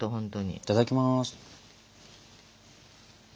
いただきます。